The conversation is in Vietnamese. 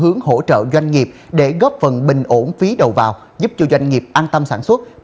hướng hỗ trợ doanh nghiệp để góp phần bình ổn phí đầu vào giúp cho doanh nghiệp an tâm sản xuất